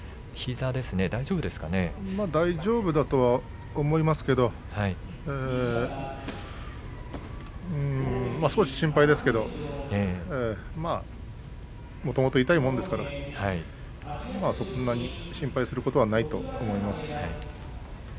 大丈夫だと思いますけど少し心配ですけどまあ、もともと痛いものですからそんなに心配することはないと思います。